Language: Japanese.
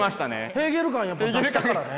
ヘーゲル感出したからね。